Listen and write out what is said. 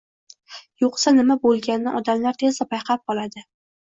Yoʻqsa, nima boʻlganini odamlar tezda payqab oladi